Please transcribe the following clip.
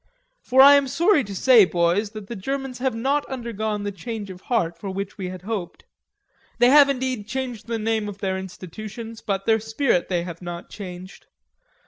For I am sorry to say, boys, that the Germans have not undergone the change of heart for which we had hoped. They have, indeed, changed the name of their institutions, but their spirit they have not changed....